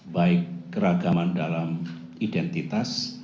baik keragaman dalam identitas